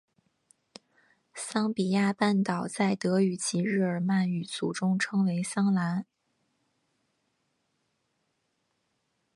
桑比亚半岛在德语及日耳曼语族中称为桑兰。